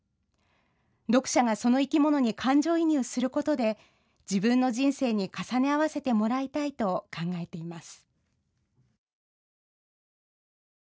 読者がその生き物に感情移入することで自分の人生に重ね合わせてもらいたいと考えています。